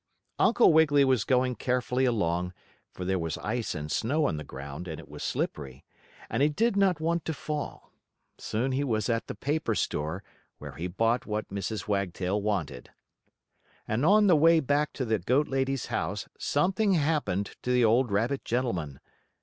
Uncle Wiggily was going carefully along, for there was ice and snow on the ground, and it was slippery, and he did not want to fall. Soon he was at the paper store, where he bought what Mrs. Wagtail wanted. And on the way back to the goat lady's house something happened to the old rabbit gentleman.